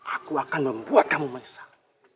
aku akan membuat kamu menyesal